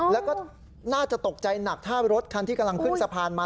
แล้วก็น่าจะตกใจหนักถ้ารถคันที่กำลังขึ้นสะพานมา